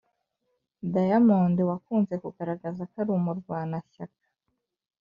diamond wakunze kugaragaza ko ari umurwanashyaka